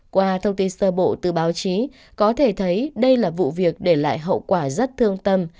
qua thông tin sơ bộ từ báo chí có thể thấy đây là vụ việc để lại hậu quả rất thương tâm